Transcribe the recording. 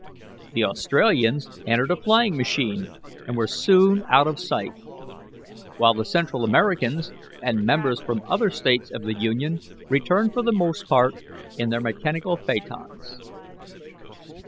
The Australians entered a flying machine, and were soon out of sight; while the Central Americans and members from other States of the Union returned for the most part in their mechanical phaetons.